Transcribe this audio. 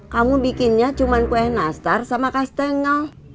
kamu bikinnya cuma kue nastar sama kastengel